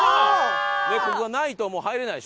ここがないともう入れないでしょ？